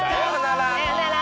さよなら。